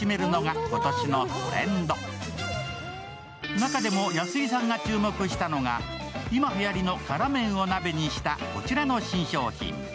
中でも安井さんが注目したのが、今はやりの辛麺を鍋にしたこちらの新商品。